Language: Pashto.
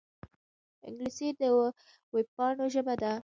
انګلیسي د وېبپاڼو ژبه ده